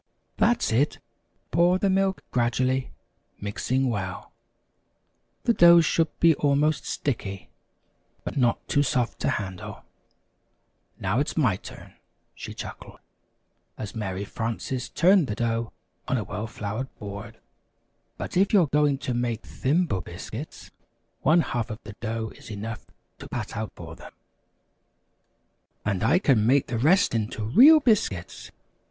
That's it pour the milk gradually, mix well the dough should be almost sticky, but not too soft to handle. Now it's my turn," she chuckled, as Mary Frances turned the dough on a well floured board. "But if you are going to make Thimble Biscuits, one half of the dough is enough to pat out for them " "And I can make the rest into real biscuits!